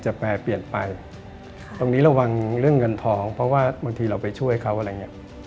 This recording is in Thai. แปรเปลี่ยนไปตรงนี้ระวังเรื่องเงินทองเพราะว่าบางทีเราไปช่วยเขาอะไรอย่างเงี้ย